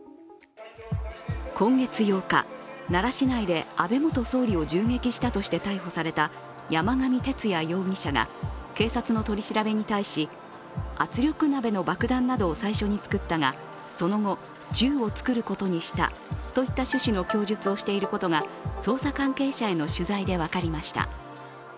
今月８日、奈良市内で安倍元総理を銃撃したとして逮捕された山上徹也容疑者が警察の取り調べに対し、圧力鍋の爆弾などを最初に作ったがその後、銃を作ることにしたといった趣旨の供述をしていることが捜査関係者への取材で分かりました。